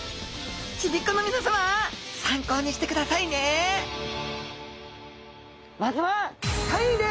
ちびっ子の皆さま参考にしてくださいねまずは３位です。